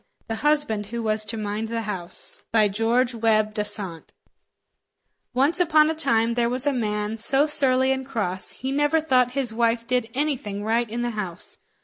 THE HUSBAND WHO WAS TO MIND THE HOUSE By Sir George Webbe Dasent Once upon a time there was a man, so surly and cross, he never thought his wife did anything right in the house.